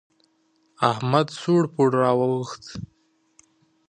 احمد سوړ پوړ را واوښت.